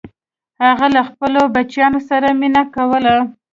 هغه له خپلو بچیانو سره مینه کوله.